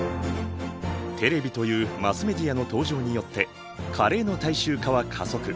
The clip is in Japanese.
テレビというマスメディアの登場によってカレーの大衆化は加速。